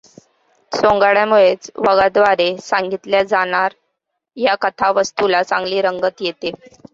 सोंगाड्यामुळेच वगाद्वारे सांगितल्या जाणार् या कथावस्तूला चांगली रंगत येते.